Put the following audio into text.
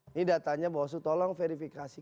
ini datanya bawaslu tolong verifikasi